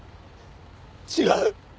違う。